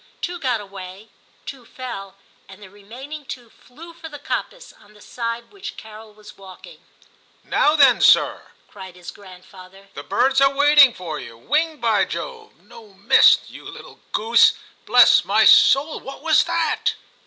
Two got away, two fell, and the remaining two flew for the coppice, on the side on which Carol was walking. *Now then, sir,' cried his grandfather, * the birds are waiting for you ; winged, by Jove ! no, missed. You little goose ! Bless my soul, what was that